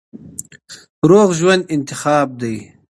روغ ژوند انتخاب دی.